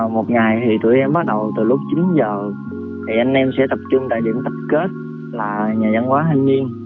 một ngày thì tụi em bắt đầu từ lúc chín giờ thì anh em sẽ tập trung tại điểm tập kết là nhà văn hóa thanh niên